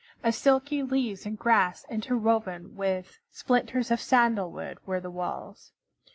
Of silky leaves and grass interwoven with splinters of sandal wood were the walls.